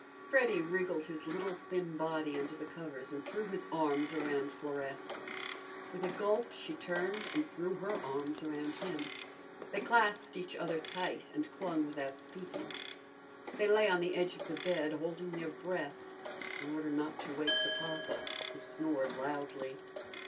Freddy wriggled his little thin body under the covers and threw his arms around Florette. With a gulp, she turned and threw her arms around him. They clasped each other tight and clung without speaking. They lay on the edge of the bed, holding their breath in order not to wake the papa who snored loudly.